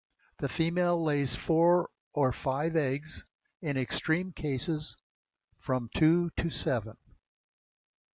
The female lays four or five eggs, in extreme cases from two to seven.